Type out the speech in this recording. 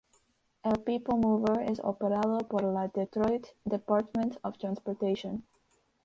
El People Mover es operado por la Detroit Departament of Transportation.